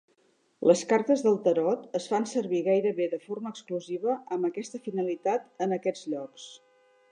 Les cartes del tarot es fan servir gairebé de forma exclusiva amb aquesta finalitat en aquests llocs.